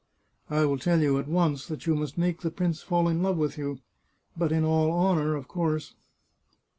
" I will tell you at once that you must make the prince fall in love with you ... but in all honour, of course